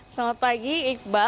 selamat pagi iqbal